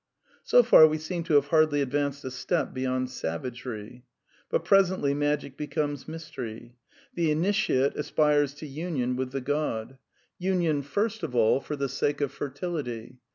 So far we seem to have hardly advanced a step beyond savagery. But presently Magic becomes Mystery. The initiate aspires to union with the God ; union, first of all. 244 A DEFENCE OF IDEALISM for the sake of fertility.